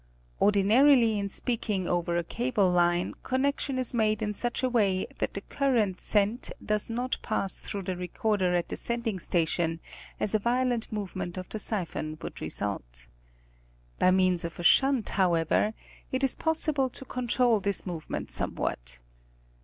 Ordinarily in speaking over a cable line, connection is made in such a way that the current sent does not pass through the recorder at the sending station, as a violent movement of the siphon would result. By means of a shunt, how ever, it is possible to control this movement somewhat.